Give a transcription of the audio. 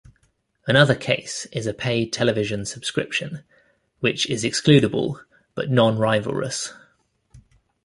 Another case is a pay television subscription, which is excludable but non-rivalrous.